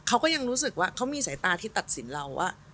เขาก็ยังรู้สึกว่าเขามีสายตาที่ตัดสินเราว่า